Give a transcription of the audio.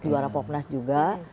juara popnas juga